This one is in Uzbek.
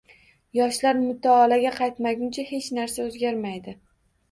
Yoshlar mutolaaga qaytmaguncha hech narsa o`zgarmaydi